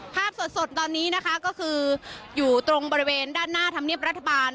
ภาพสดตอนนี้นะคะก็คืออยู่ตรงบริเวณด้านหน้าธรรมเนียบรัฐบาล